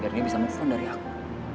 biar dia bisa move on dari aku